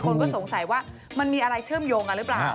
คนก็สงสัยว่ามันมีอะไรเชื่อมโยงกันหรือเปล่า